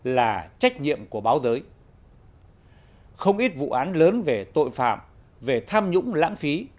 là trách nhiệm của báo giới không ít vụ án lớn về tội phạm về tham nhũng lãng phí